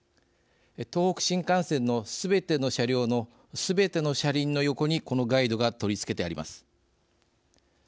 東北新幹線のすべての車両のすべての車輪の横にこのガイドが取り付けてあります。